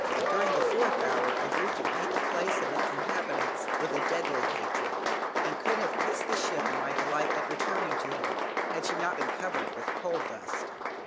During the fourth hour I grew to hate the place and its inhabitants with a deadly hatred, and could have kissed the ship in my delight at returning to her, had she not been covered with coal dust.